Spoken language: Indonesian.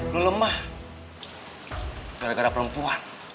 lu lemah gara gara perempuan